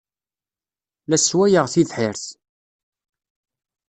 La sswayeɣ tibḥirt.